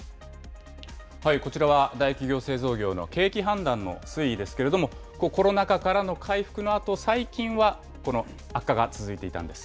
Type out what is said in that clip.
こちらは大企業・製造業の景気判断の推移ですけれども、コロナ禍からの回復のあと、最近はこの悪化が続いていたんです。